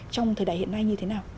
trong thời đại hiện nay như thế nào